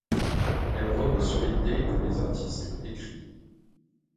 Elle repose sur l’idée que les artistes écrivent.